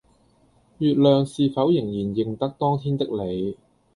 月亮是否仍然認得當天的你